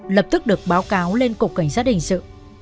lập tức được báo cáo lên cục cảnh sát hình sự